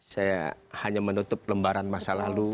saya hanya menutup lembaran masa lalu